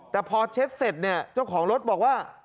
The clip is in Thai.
แต่พอเช็ดเสร็จเนี่ยเจ้าของรถบอกว่า